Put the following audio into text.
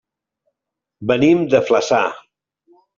Venim de Flaçà.